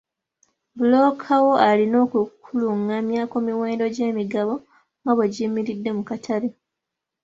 Bbulooka wo alina okukulungamya ku miwendo gy'emigabo nga bwe giyimiridde mu katale.